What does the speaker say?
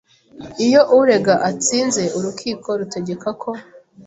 Iyo urega atsinze urukiko rutegeka ko